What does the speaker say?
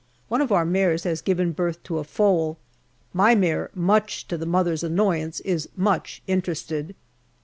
One of our mares has given birth to a foal ; my mare, much to the mother's annoyance, is much interested.